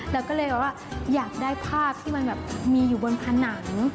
แล้วก็เลยว่าอยากได้ภาพที่มันแบบมีอยู่บนผนัง